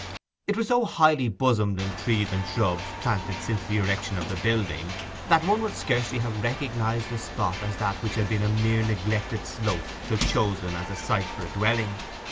It was so highly bosomed in trees and shrubs planted since the erection of the building that one would scarcely have recognized the spot as that which had been a mere neglected slope till chosen as a site for a dwelling.